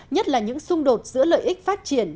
nhất là những xung đột giữa lợi ích phát triển